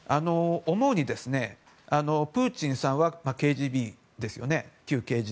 思うに、プーチンさんは旧ＫＧＢですよね。